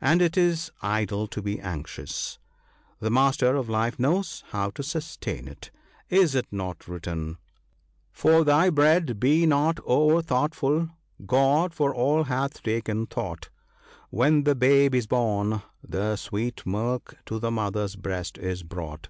And it is idle to be anxious ; the Master of Life knows how to sustain it. Is it not written ?—" For thy bread be not o'er thoughtful—God for all hath taken thought : When the babe is born, the sweet milk to the mother's breast is brought.